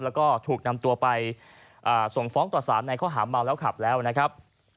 แล้วก็ถูกนำตัวไปส่งฟ้องต่อสารในข้อหาเมาแล้วขับแล้วนะครับ